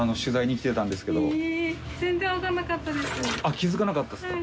気づかなかったですか？